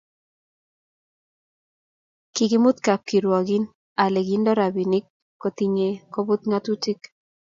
kikimut kapkirwak ale kindo rapinik kotinge koput ngatutik